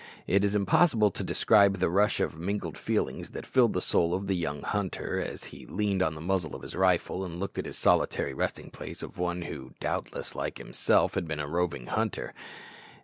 It is impossible to describe the rush of mingled feelings that filled the soul of the young hunter as he leaned on the muzzle of his rifle and looked at this solitary resting place of one who, doubtless like himself, had been a roving hunter.